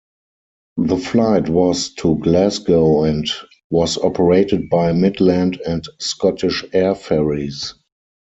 The flight was to Glasgow and was operated by Midland and Scottish Air Ferries.